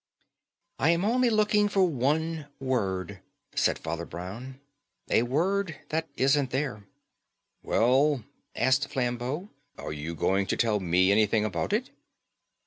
"I am only looking for one word," said Father Brown. "A word that isn't there." "Well," asked Flambeau; "are you going to tell me anything about it?"